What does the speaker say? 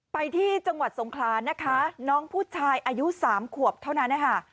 ไปที่จังหวัดสงครานนะคะน้องผู้ชายอายุ๓ขวบเท่านั้นนะคะ